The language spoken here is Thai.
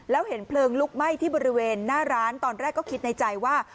แล้วเห็นเพลิงลุกไหม้ที่บริเวณหน้าร้านตอนแรกก็คิดในใจว่า